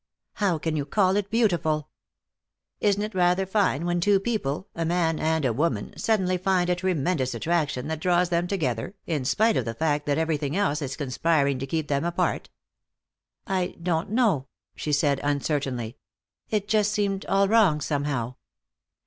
"How can you call it beautiful?" "Isn't it rather fine when two people, a man and a woman, suddenly find a tremendous attraction that draws them together, in spite of the fact that everything else is conspiring to keep them apart?" "I don't know," she said uncertainly. "It just seemed all wrong, somehow."